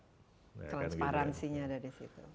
transparansinya ada di situ